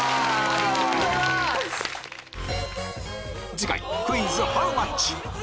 次回「クイズ！ハウマッチ？」